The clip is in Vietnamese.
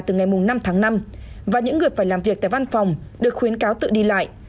từ ngày năm tháng năm và những người phải làm việc tại văn phòng được khuyến cáo tự đi lại